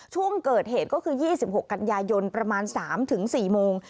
ช่วงเกิดเหตุก็คือ๒๖กันยายนประมาณ๓๔โมง